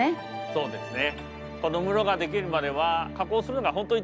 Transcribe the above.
そうですね。